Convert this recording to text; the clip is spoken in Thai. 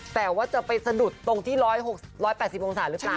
แต่ว่าจะไปสะดุดตรงที่๑๖๘๐องศาหรือเปล่า